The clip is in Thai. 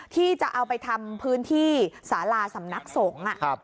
ที่จะเอาไปทำพื้นที่สาราสำนักสงฆ์